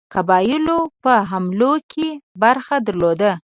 قبایلو په حملو کې برخه درلوده.